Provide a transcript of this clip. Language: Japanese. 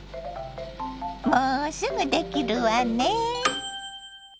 もうすぐできるわねぇ。